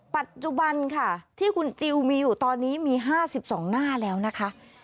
ปัจจุบันค่ะที่คุณจิลมีอยู่ตอนนี้มี๕๒หน้าแล้วนะคะ